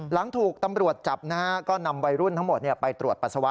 หลังถูกตำรวจจับนะฮะก็นำวัยรุ่นทั้งหมดไปตรวจปัสสาวะ